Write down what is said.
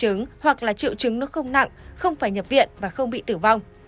chịu chứng hoặc là chịu chứng nó không nặng không phải nhập viện và không bị tử vong